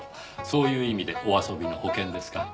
そういう意味でお遊びの保険ですか。